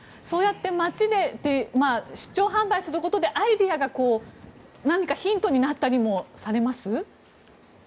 そうやって町で出張販売することでアイデアや何かヒントになったりされます？